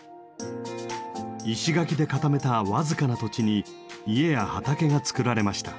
石垣で固めた僅かな土地に家や畑が作られました。